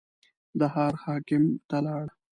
د ښار حاکم ته لاړ.